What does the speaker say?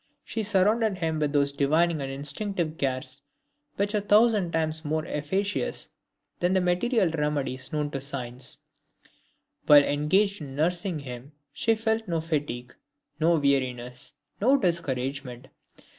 She surrounded him with those divining and instinctive cares which are a thousand times more efficacious than the material remedies known to science. While engaged in nursing him, she felt no fatigue, no weariness, no discouragement.